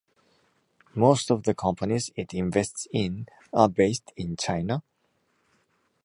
Most of the companies it invests in are based in China.